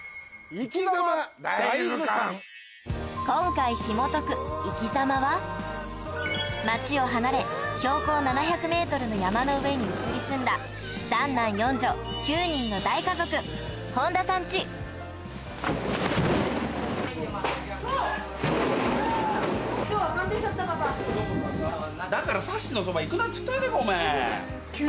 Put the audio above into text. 今回街を離れ標高７００ｍの山の上に移り住んだうわ！